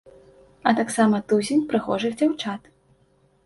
А таксама тузін прыгожых дзяўчат.